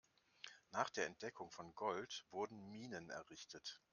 Nach der Entdeckung von Gold wurden Minen errichtet.